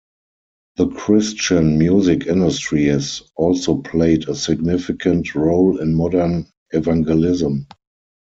The Christian music industry has also played a significant role in modern evangelism.